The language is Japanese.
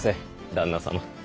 旦那様。